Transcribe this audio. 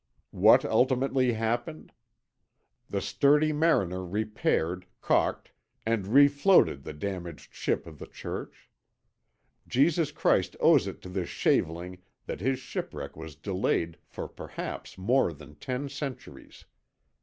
What ultimately happened? The sturdy mariner repaired, calked, and refloated the damaged ship of the Church. Jesus Christ owes it to this shaveling that his shipwreck was delayed for perhaps more than ten centuries.